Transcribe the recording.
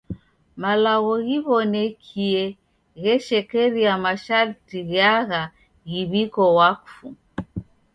Malagho ghiw'onekie gheshekeria masharti gheagha ghiw'iko wakfu.